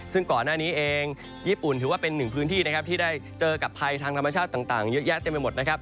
ซึ่งก่อนหน้านี้เองญี่ปุ่นถือว่าเป็นหนึ่งพื้นที่นะครับที่ได้เจอกับภัยทางธรรมชาติต่างเยอะแยะเต็มไปหมดนะครับ